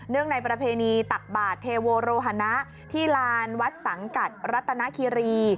ในประเพณีตักบาทเทโวโรหนะที่ลานวัดสังกัดรัตนคิรี